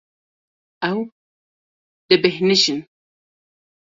Ew dibêhnijin.